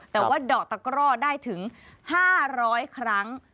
แต่ว่าดอกตะกร่อได้ถึง๕๐๐ครั้ง